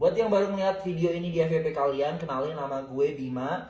buat yang baru ngelihat video ini di fvp kalian kenalin nama gue bima